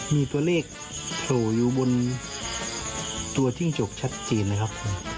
มีตัวเลขโผล่อยู่บนตัวจิ้งจกชัดเจนนะครับ